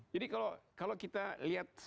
jadi kalau kita lihat